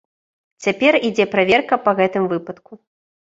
Цяпер ідзе праверка па гэтым выпадку.